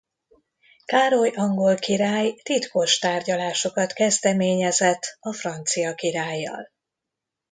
Károly angol király titkos tárgyalásokat kezdeményezett a francia királlyal.